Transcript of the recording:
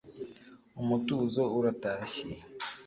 umutuzo uratashye